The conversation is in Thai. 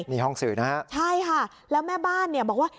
มีห้องสื่อนะครับใช่ค่ะแล้วแม่บ้านบอกว่า